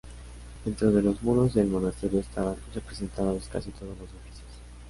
Dentro de los muros del monasterio estaban representados casi todos los oficios.